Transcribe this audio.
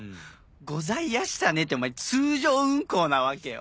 「ございやしたね」ってお前通常運行なわけよ。